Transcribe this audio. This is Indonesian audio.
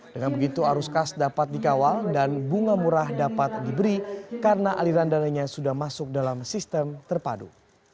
dengan begitu arus kas dapat dikawal dan bunga murah dapat diberi karena aliran dananya sudah masuk dalam sistem terpadu